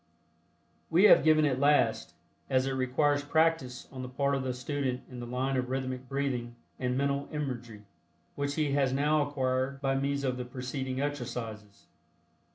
We have given it last, as it requires practice on the part of the student in the line of rhythmic breathing and mental imagery, which he has now acquired by means of the preceding exercises.